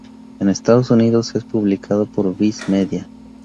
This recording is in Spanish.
En Estados Unidos es publicado por Viz Media.